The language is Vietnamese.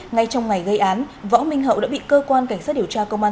ngay trong ngày gây án võ minh hậu đã bị cơ quan cảnh sát điều tra công an